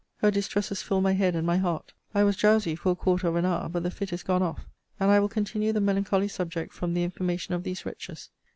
Her distresses fill my head and my heart. I was drowsy for a quarter of an hour; but the fit is gone off. And I will continue the melancholy subject from the information of these wretches.